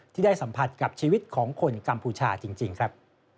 ที่ได้สัมผัสกับชีวิตของคนกัมพูชาจริงครับ